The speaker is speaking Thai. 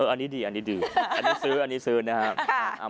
อันนี้ดีอันนี้ดีอันนี้ซื้ออันนี้ซื้อนะครับ